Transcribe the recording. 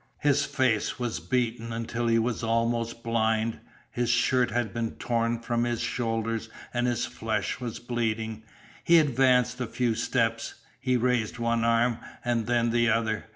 His face was beaten until he was almost blind. His shirt had been torn from his shoulders and his flesh was bleeding. He advanced a few steps. He raised one arm and then the other.